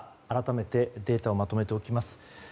改めてデータをまとめておきます。